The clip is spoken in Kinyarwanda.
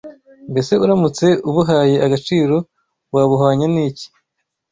Mbese uramutse ubuhaye agaciro wabuhwanya n’iki?